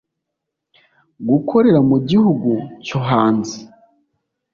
gukorera mu gihugu cyo hanze